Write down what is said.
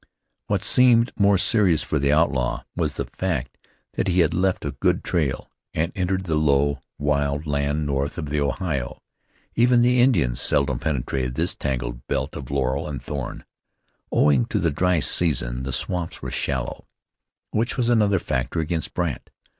What seemed more serious for the outlaw, was the fact that he had left a good trail, and entered the low, wild land north of the Ohio. Even the Indians seldom penetrated this tangled belt of laurel and thorn. Owing to the dry season the swamps were shallow, which was another factor against Brandt.